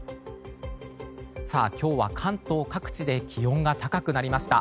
今日は関東各地で気温が高くなりました。